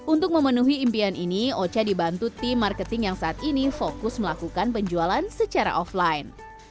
untuk memenuhi impian ini ocha dibantu tim marketing yang saat ini fokus melakukan penjualan secara offline